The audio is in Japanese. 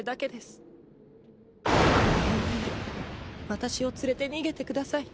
わたしを連れて逃げてください！